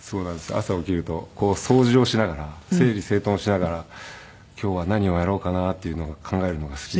朝起きると掃除をしながら整理整頓をしながら今日は何をやろうかなっていうのが考えるのが好きで。